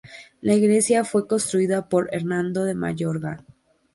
La iglesia fue construida por Hernando de Mayorga.